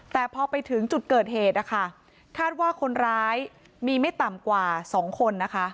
แต่พอไปถึงจุดเกิดเหตุนะคะคาดว่าคนร้ายมีไม่ต่ำกว่า๒คนนะคะ